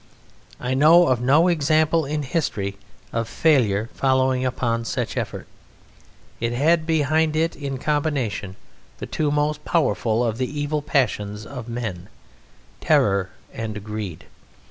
I know of no example in history of failure following upon such effort. It had behind it in combination the two most powerful of the evil passions of men, terror and greed.